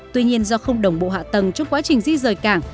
tuy nhiên do không đồng bộ hạ tầng trong quá trình di rời cảng